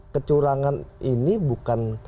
kecurangan ini bukan